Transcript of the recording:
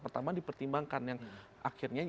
pertama dipertimbangkan yang akhirnya